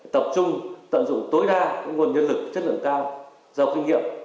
tập trung tận dụng tối đa nguồn nhân lực chất lượng cao giàu kinh nghiệm